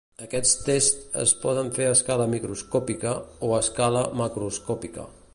Aquests tests es poden fer a escala microscòpica o a escala macroscòpica.